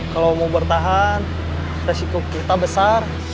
kalau mau bertahan resiko kita besar